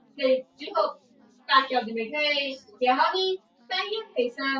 清代画家。